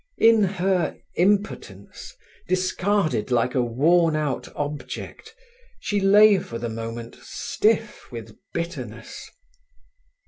In her impotence, discarded like a worn out object, she lay for the moment stiff with bitterness.